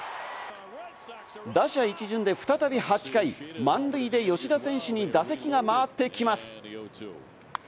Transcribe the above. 打者一巡で再び８回、満塁で吉田選手に打席が回ってきます。